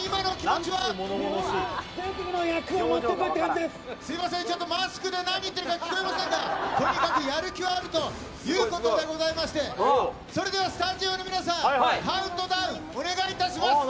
ちょっとマスクで何言ってるか聞こえませんが、とにかくやる気はあるということでございまして、それではスタジオの皆さん、カウントダウン、お願いいたします。